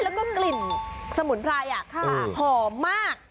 แล้วก็กลิ่นสมุนไพรหอมมาก